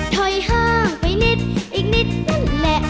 ถอยห่างไปนิดอีกนิดนั่นแหละ